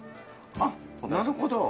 あっなるほど。